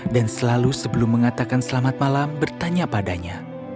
dan selalu sebelum mengatakan selamat malam bertanya padanya